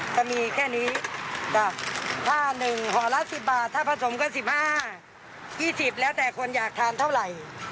ก็มีแค่นี้ผ้า๑ห่อละ๑๐บาทถ้าผสมก็๑๕๒๐แล้วแต่คนอยากทานเท่าไหร่